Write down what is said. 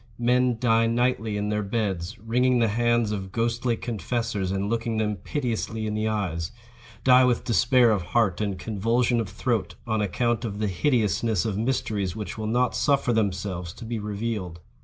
Men die nightly in their beds, wringing the hands of ghostly confessors and looking them piteously in the eyes—die with despair of heart and convulsion of throat, on account of the hideousness of mysteries which will not suffer themselves to be revealed.